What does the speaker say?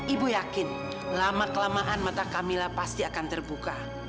ibu yakin lama kelamaan mata kamila pasti akan terbuka